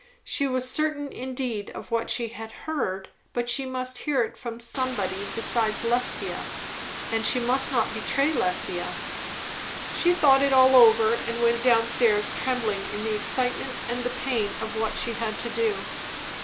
She was certain indeed of what she had heard; but she must hear it from somebody besides Lesbia, and she must not betray Lesbia. She thought it all over, and went down stairs trembling in the excitement and the pain of what she had to do.